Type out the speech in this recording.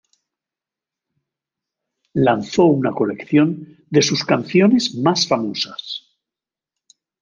Lanzó una colección de sus canciones más famosas.